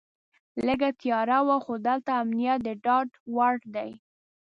لږه تیاره وه خو دلته امنیت د ډاډ وړ دی.